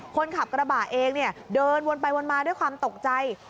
คนขับกระบะเองเนี่ยเดินวนไปวนมาด้วยความตกใจ